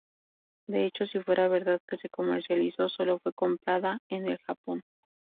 De hecho, si fuera verdad que se comercializó, solo fue comprada en el Japón.